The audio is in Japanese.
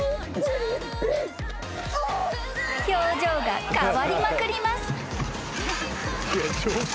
［表情が変わりまくります］